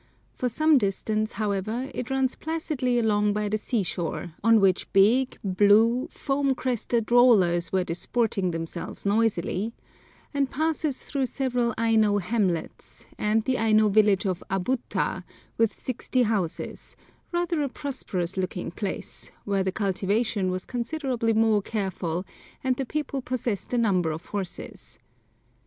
For some distance, however, it runs placidly along by the sea shore, on which big, blue, foam crested rollers were disporting themselves noisily, and passes through several Aino hamlets, and the Aino village of Abuta, with sixty houses, rather a prosperous looking place, where the cultivation was considerably more careful, and the people possessed a number of horses.